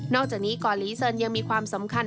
อกจากนี้ก่อนลีเซินยังมีความสำคัญ